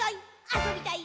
あそびたい！